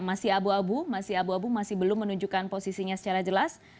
masih abu abu masih belum menunjukkan posisinya secara jelas